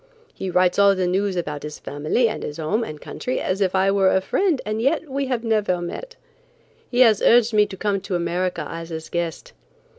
He writes all the news about his family and home and country as if I were a friend and yet we have never met. He has urged me to come to America as his guest.